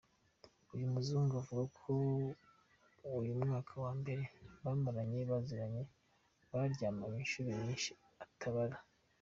Uyu muzungu avuga ko mu mwaka wa mbere bamaranye baziranye baryamanye inshuro nyinshi atabara.